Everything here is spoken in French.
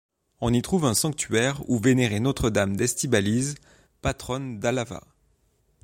On y trouve un sanctuaire où vénérer Notre-Dame d'Estibaliz, patronne d'Álava.